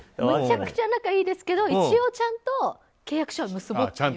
めちゃくちゃ仲がいいですけど一応ちゃんと契約書は。